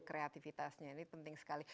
kreatifitasnya ini penting sekali